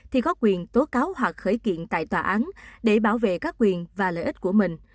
thì có quyền tố cáo hoặc khởi kiện tại tòa án để bảo vệ các quyền và lợi ích của mình